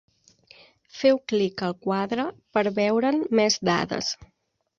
Feu clic al quadre per veure'n més dades.